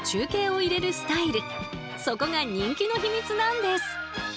そこが人気の秘密なんです！